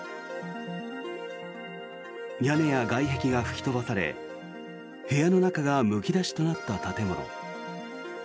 屋根や外壁が吹き飛ばされ部屋の中がむき出しとなった建物。